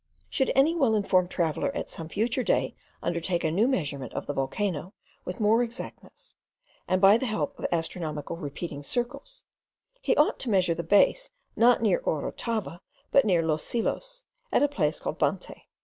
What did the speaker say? Should any well informed traveller at some future day undertake a new measurement of the volcano with more exactness, and by the help of astronomical repeating circles, he ought to measure the base, not near Orotava, but near Los Silos, at a place called Bante.